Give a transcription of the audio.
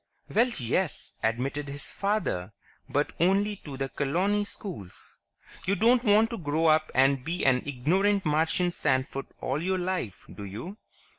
"Well, yes," admitted his father. "But only to the colony schools. You don't want to grow up and be an ignorant Martian sandfoot all your life, do you?"